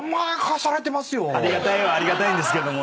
ありがたいはありがたいんですけども。